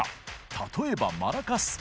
例えばマラカス。